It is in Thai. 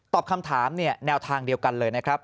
คำถามแนวทางเดียวกันเลยนะครับ